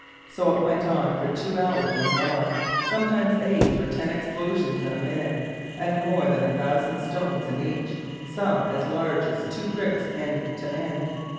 So it went on for two hours and more; sometimes eight or ten explosions in a minute, and more than 1000 stones in each, some as large as two bricks end to end.